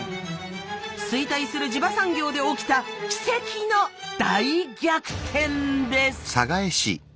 衰退する地場産業で起きた奇跡の大逆転です。